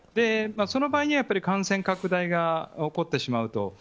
その場合には感染拡大が起こってしまうと。